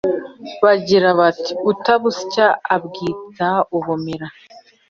bagira bati: “utabusya abwita ubumera!”